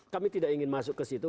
kami tidak ingin masuk ke situ